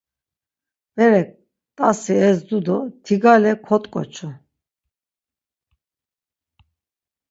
Berek t̆asi ezdu do tigale kot̆ǩoçu.